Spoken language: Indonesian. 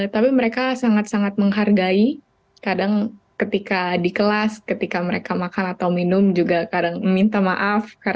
tapi mereka sangat sangat menghargai kadang ketika di kelas ketika mereka makan atau minum juga kadang minta maaf